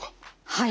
はい。